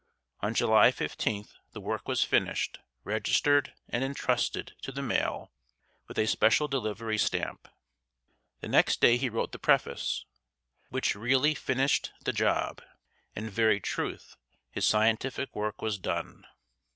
On July 15th, the work was finished, registered, and entrusted to the mail with a special delivery stamp. The next day he wrote the preface, "which really finished the job." In very truth his scientific work was done.